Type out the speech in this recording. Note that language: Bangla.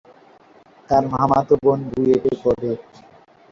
তার মামাতো বোন বুয়েটে পড়ে।